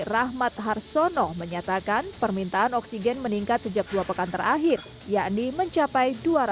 rahmat harsono menyatakan permintaan oksigen meningkat sejak dua pekan terakhir yakni mencapai